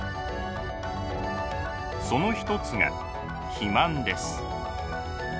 その一つが肥満です。